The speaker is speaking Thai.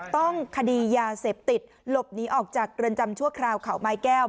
ต้องคดียาเสพติดหลบหนีออกจากเรือนจำชั่วคราวเขาไม้แก้ว